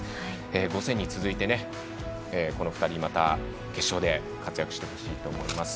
５０００に続いてこの２人また決勝で活躍してほしいと思います。